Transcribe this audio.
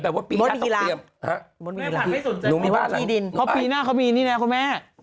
พอปีหน้าเขามีนี่แหละคุณแม่